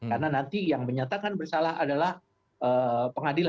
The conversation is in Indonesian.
karena nanti yang menyatakan bersalah adalah pengadilan